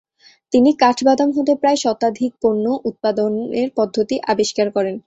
তিনি কাঠ বাদাম হতে প্রায় শতাধিক পণ্য উৎপাদনের পদ্ধতি আবিষ্কার করেন।